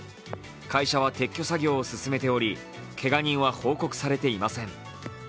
会社は撤去作業を進めておりけが人は報告されていません。